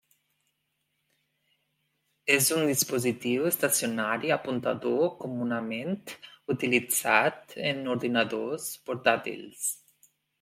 És un dispositiu estacionari apuntador, comunament utilitzat en ordinadors portàtils.